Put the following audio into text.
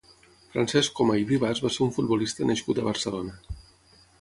Francesc Coma i Vivas va ser un futbolista nascut a Barcelona.